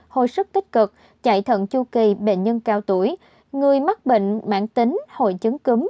hồi sức tích cực chạy thận chu kỳ bệnh nhân cao tuổi người mắc bệnh mạng tính hồi chứng cúm